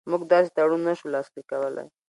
موږ داسې تړون نه شو لاسلیک کولای.